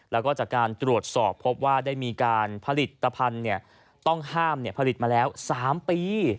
แล้วก็จากการตรวจสอบพบว่าได้มีการผลิตภัณฑ์ต้องห้ามผลิตมาแล้ว๓ปี